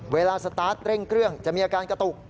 เวลาสตาร์ทเร่งเครื่องจะมีอาการกระตุก